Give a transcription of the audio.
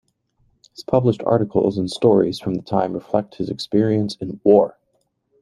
His published articles and stories from the time reflect his experience in war.